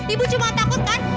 ibu cuma takut kan